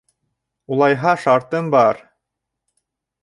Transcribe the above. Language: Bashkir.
Улайһа, шартым бар.